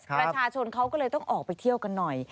ประชาชนเขาก็เลยต้องออกไปเที่ยวกันหน่อย